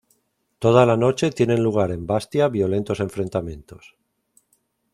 Toda la noche tienen lugar en Bastia violentos enfrentamientos.